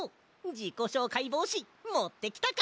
じこしょうかいぼうしもってきたか？